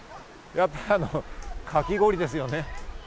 やっぱりかき氷ですよね。